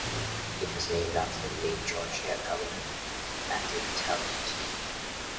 It was named after the late Georgia governor Matthew Talbot.